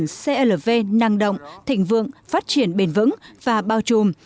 hội nghị của clv năng động thịnh vượng phát triển bền vững và bao trùm